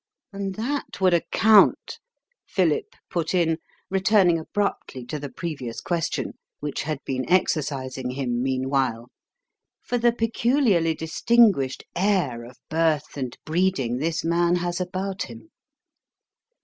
"And that would account," Philip put in, returning abruptly to the previous question, which had been exercising him meanwhile, "for the peculiarly distinguished air of birth and breeding this man has about him."